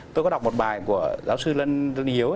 tôi có đọc một bài của giáo sư lân yếu